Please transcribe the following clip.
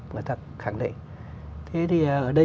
người ta khẳng định thế thì ở đây